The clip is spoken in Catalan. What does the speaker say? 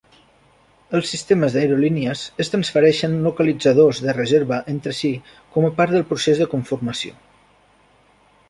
Els sistemes d'aerolínies es transfereixen localitzadors de reserva entre si com a part del procés de conformació.